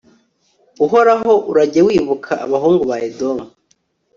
uhoraho, urajye wibuka abahungu ba edomu